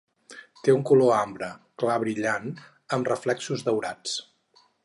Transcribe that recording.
Té un color ambre clar brillant amb reflexos daurats.